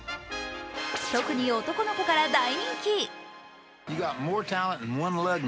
特に男の子から大人気。